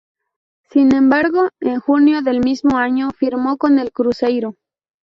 Sin embargo, en junio del mismo año, firmó con el Cruzeiro.